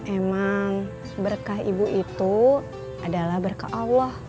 emang berkah ibu itu adalah berkah allah